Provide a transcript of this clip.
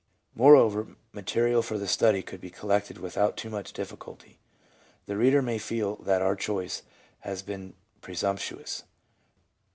Moreover, material for the study could be collected without too much difficulty. The reader may feel that our choice has been presumptuous.